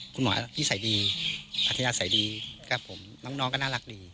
คุณหมออธินัติใส่ดีน้องก็น่ารักดี